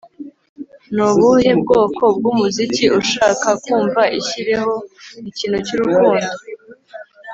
Ni ubuhe bwoko bwumuziki ushaka kumva Ishyireho ikintu cyurukundo